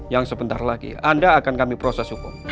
yang sebentar lagi anda akan kami proses hukum